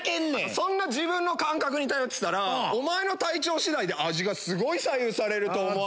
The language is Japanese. そんな自分の感覚に頼ってたらお前の体調次第で味がすごい左右されると思わない？